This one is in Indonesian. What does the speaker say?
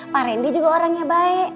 pak rendy juga orangnya baik